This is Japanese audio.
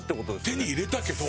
手に入れたけど。